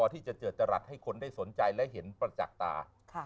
ให้เค้าเสื้อจรัจให้คนได้สนใจแล้วเจอประจักษ์ตา